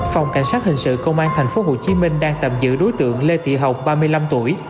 phòng cảnh sát hình sự công an tp hcm đang tạm giữ đối tượng lê thị học ba mươi năm tuổi